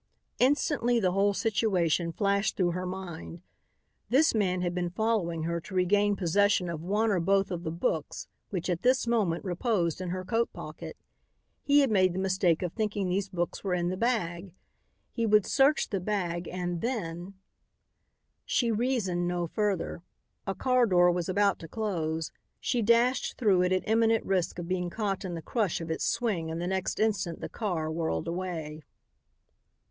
Instantly the whole situation flashed through her mind; this man had been following her to regain possession of one or both of the books which at this moment reposed in her coat pocket. He had made the mistake of thinking these books were in the bag. He would search the bag and then She reasoned no further; a car door was about to close. She dashed through it at imminent risk of being caught in the crush of its swing and the next instant the car whirled away.